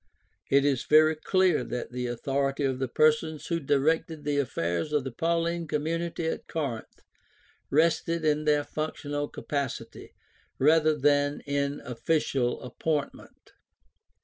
It is very clear that the authority of the persons who directed the affairs of the Pauline community at Corinth rested in their functional capacity rather than in official appointment.